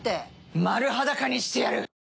丸裸にしてやる。